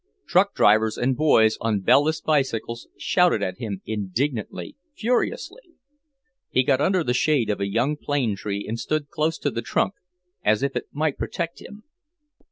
Truck drivers and boys on bell less bicycles shouted at him indignantly, furiously. He got under the shade of a young plane tree and stood close to the trunk, as if it might protect him.